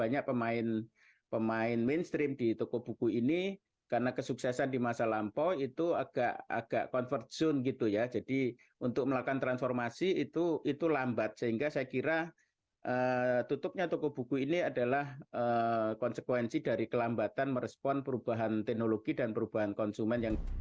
yakni melalui marketplace